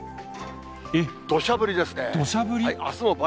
どしゃ降りですね。